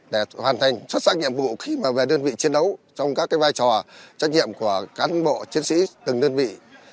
để hoàn thành xuất sắc nhiệm vụ khi mà về đơn vị chiến đấu trong các vai trò trách nhiệm của cán bộ chiến sĩ từng đơn vị